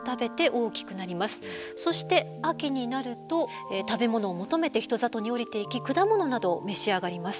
そして秋になると食べ物を求めて人里に下りていき果物などを召し上がります。